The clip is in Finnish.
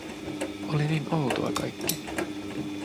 Oli niin outoa kaikki.